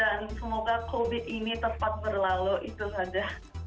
dan semoga covid ini tepat berlalu itu saja